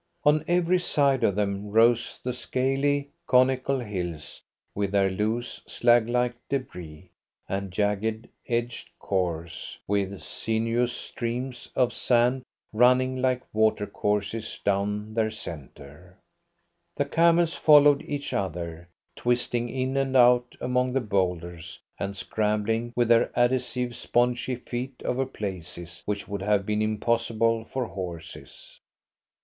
On every side of them rose the scaly, conical hills with their loose, slag like debris, and jagged edged khors, with sinuous streams of sand running like water courses down their centre. The camels followed each other, twisting in and out among the boulders, and scrambling with their adhesive, spongy feet over places which would have been impossible for horses.